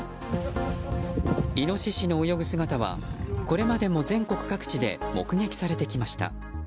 イノシシの泳ぐ姿はこれまでも全国各地で目撃されてきました。